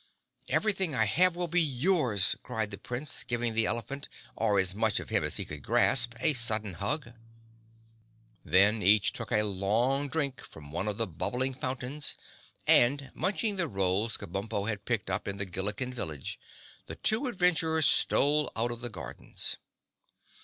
"Everything I have will be yours," cried the Prince, giving the elephant, or as much of him as he could grasp, a sudden hug. Then each took a long drink from one of the bubbling fountains and, munching the rolls Kabumpo had picked up in the Gilliken village, the two adventurers stole out of the gardens.